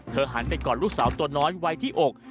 หันไปกอดลูกสาวตัวน้อยไว้ที่อก